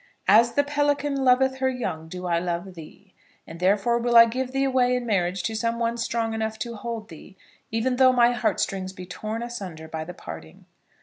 "As the pelican loveth her young do I love thee; and therefore will I give thee away in marriage to some one strong enough to hold thee, even though my heartstrings be torn asunder by the parting."